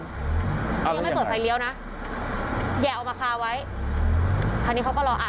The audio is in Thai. ยังไม่เปิดไฟเลี้ยวนะแย่เอามาคาไว้คราวนี้เขาก็รออ่า